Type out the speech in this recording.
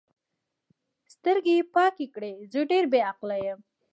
سترګې یې پاکې کړې: زه ډېره بې عقله یم.